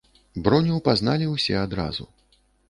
Броню пазналі ўсе адразу.